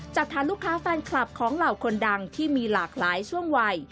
จากฐานลูกค้าแฟนคลับของเหล่าคนดังที่มีหลากหลายช่วงวัย